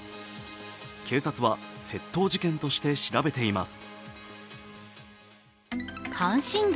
警察は窃盗事件として調べています。